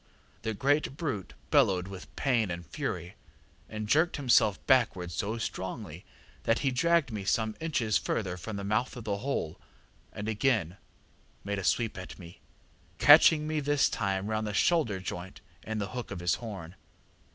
The great brute bellowed with pain and fury, and jerked himself backwards so strongly, that he dragged me some inches further from the mouth of the hole, and again made a sweep at me, catching me this time round the shoulder joint in the hook of his horn.